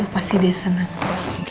pasti dia senang